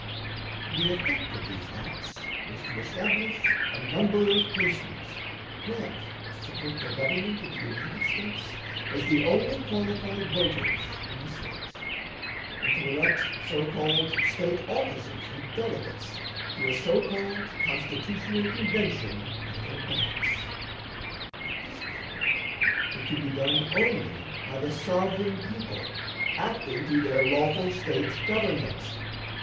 The effect of these acts was to establish a number of persons, pledged to support the Government of the United States, as the only qualified voters in the State, and to elect so called State officers and delegates to a so called Constitutional Convention by their ballots. But this was a work that could be done only by the sovereign people acting through their lawful State government.